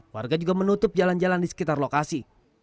warga juga menutup jalan jalan di sekitar lokasi